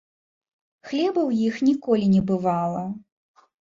Хлеба ў іх ніколі не бывала.